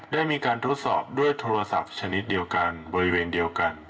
ได้มีการทดสอบด้วยโทรศัพท์ชนิดเดียวกันบริเวณเดียวกัน